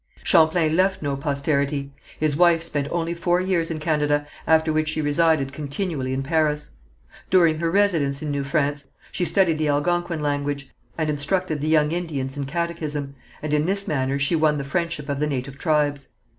Champlain left no posterity. His wife spent only four years in Canada, after which she resided continually in Paris. During her residence in New France, she studied the Algonquin language, and instructed the young Indians in catechism, and in this manner she won the friendship of the native tribes.